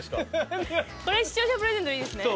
これ視聴者プレゼントいいですね？